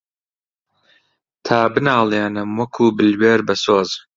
تا بناڵێنم وەکوو بلوێر بەسۆز